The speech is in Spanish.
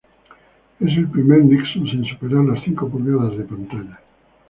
Es el primer Nexus en superar las cinco pulgadas de pantalla.